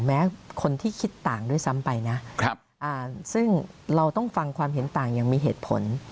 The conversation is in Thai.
แม้คนที่คิดต่างด้วยซ้ำไปนะซึ่งเราต้องฟังความเห็นต่างยังมีเหตุผล